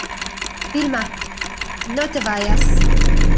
Vilma, no te vayas.